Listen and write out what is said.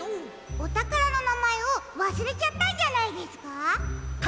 おたからのなまえをわすれちゃったんじゃないですか？